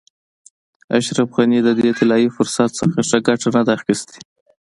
اشرف غني د دې طلایي فرصت څخه ښه ګټه نه ده اخیستې.